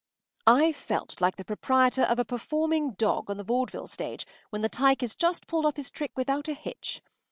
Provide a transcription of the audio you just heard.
” I felt like the proprietor of a performing dog on the vaudeville stage when the tyke has just pulled off his trick without a hitch.